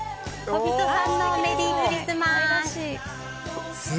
小人さんのメリークリスマス。